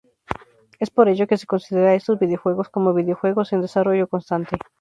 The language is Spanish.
Es por ello que se considera estos videojuegos como videojuegos en desarrollo constante.